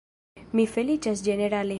Mi feliĉas ĝenerale!